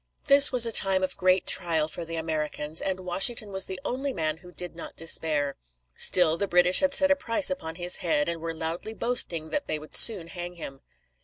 This was a time of great trial for the Americans, and Washington was the only man who did not despair. Still, the British had set a price upon his head, and were loudly boasting that they would soon hang him.